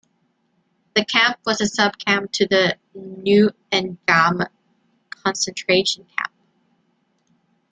The camp was a subcamp to the Neuengamme concentration camp.